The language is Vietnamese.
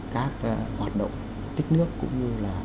các hoạt động tích nước cũng như là